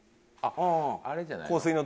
あれじゃないの？